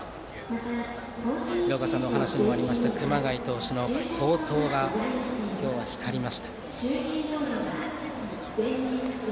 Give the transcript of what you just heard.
廣岡さんのお話にもありました熊谷投手の好投が今日は光りました。